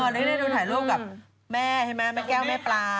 ได้ดูถ่ายรูปกับแม่ใช่ไหมแม่แก้วแม่ปลา